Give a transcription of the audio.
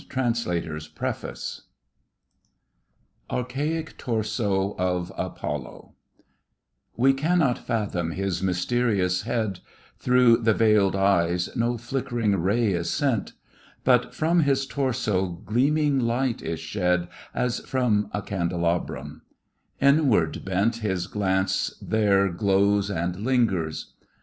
1919 [Illustration: Rodin Photographed by Gertrude Kasebier] ARCHAIC TORSO OF APOLLO We cannot fathom his mysterious head, Through the veiled eyes no flickering ray is sent; But from his torso gleaming light is shed As from a candelabrum; inward bent His glance there glows and lingers.